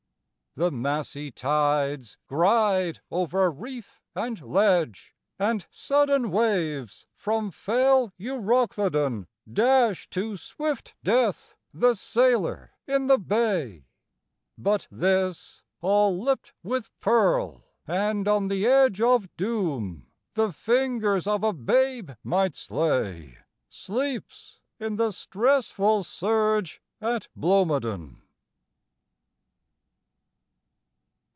The massy tides gride over reef and ledge, And sudden waves from fell Euroclydon Dash to swift death the sailor in the Bay; But this, all lipt with pearl, and on the edge Of doom the fingers of a babe might slay Sleeps in the stressful surge at Blomidon.